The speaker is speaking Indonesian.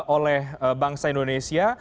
oleh bangsa indonesia